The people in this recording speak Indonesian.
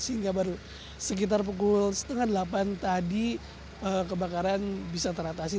sehingga baru sekitar pukul delapan belas tiga puluh tadi kebakaran bisa teratasi